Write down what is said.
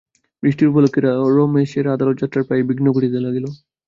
বৃষ্টির উপলক্ষে রমেশের আদালতযাত্রার প্রায়ই বিঘ্ন ঘটিতে লাগিল।